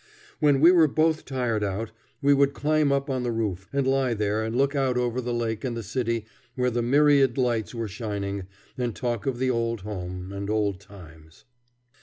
When we were both tired out, we would climb up on the roof and lie there and look out over the lake and the city where the myriad lights were shining, and talk of the old home and old times.